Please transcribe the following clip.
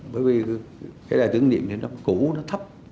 bởi vì cái đài tưởng niệm trên nó cũ nó thấp